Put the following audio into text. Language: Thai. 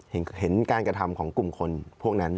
เห็นการกระทำของกลุ่มคนพวกนั้น